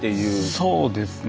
そうですね。